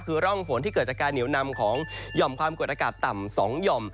คือร่องฝนที่เกิดจากการเหนียวนำของหย่อมความกดอากาศต่ำ๒หย่อม